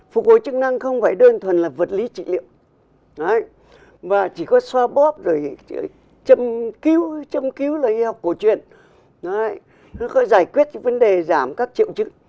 phục hồi chức năng không phải đơn thuần là vật lý trị liệu và chỉ có so bóp rồi châm cứu là y học cổ truyền có giải quyết những vấn đề giảm các triệu chữ